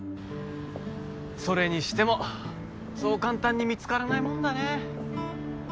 それにしてもそう簡単に見つからないもんだね